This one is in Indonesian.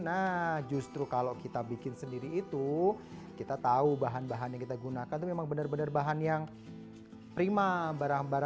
nah justru kalau kita bikin sendiri itu kita tahu bahan bahan yang kita gunakan itu memang benar benar bahan yang prima barang barang